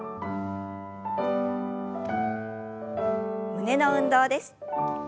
胸の運動です。